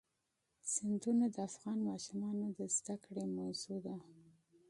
سیندونه د افغان ماشومانو د زده کړې موضوع ده.